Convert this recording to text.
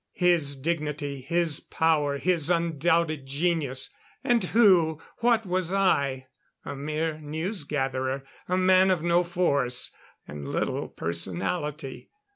His dignity, his power his undoubted genius. And who, what was I? A mere news gatherer. A man of no force, and little personality.